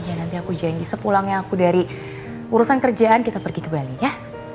ya nanti aku janji sepulangnya aku dari urusan kerjaan kita pergi ke bali ya